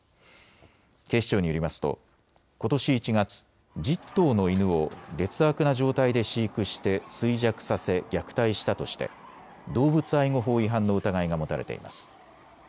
警視庁によりますとことし１月、１０頭の犬を劣悪な状態で飼育して衰弱させ虐待したとして動物愛護法違反の疑いが持たれています。